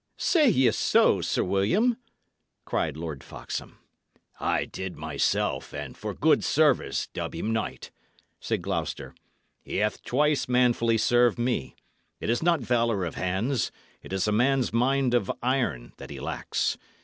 "Say ye so, Sir William?" cried Lord Foxham. "I did myself, and for good service, dub him knight," said Gloucester. "He hath twice manfully served me. It is not valour of hands, it is a man's mind of iron, that he lacks.